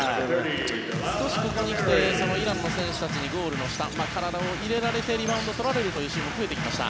少しここに来てイランの選手たちにゴールの下体を入れられてリバウンドを取られるシーンも増えてきました。